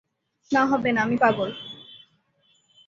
না, হবে না, আমি পাগল।